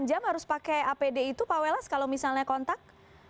enam jam harus pakai apd itu pak welas kalau misalnya kontak